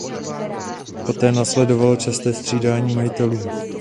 Poté následovalo časté střídání majitelů.